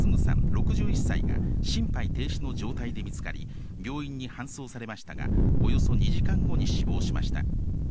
６１歳が、心肺停止の状態で見つかり、病院に搬送されましたが、およそ２時間後に死亡しました。